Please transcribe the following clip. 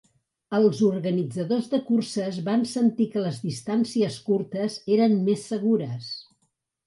Els organitzadors de curses van sentir que les distàncies curtes eren més segures.